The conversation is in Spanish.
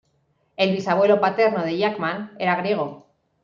El bisabuelo paterno de Jackman era griego.